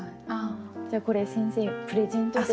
じゃあこれ先生プレゼントで。